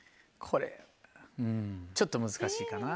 これうんちょっと難しいかな。